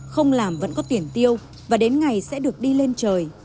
không làm vẫn có tiền tiêu và đến ngày sẽ được đi lên trời